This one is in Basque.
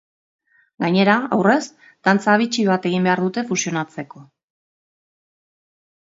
Gainera, aurrez, dantza bitxi bat egin behar dute fusionatzeko.